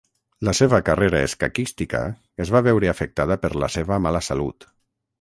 La seva carrera escaquística es va veure afectada per la seva mala salut.